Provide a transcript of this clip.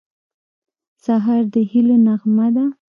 سهار د هیلو نغمه ده.